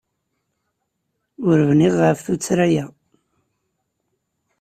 Ur bniɣ ɣef tuttra-a.